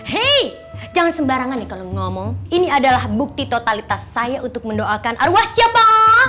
hei jangan sembarangan nih kalau ngomong ini adalah bukti totalitas saya untuk mendoakan arwah siapa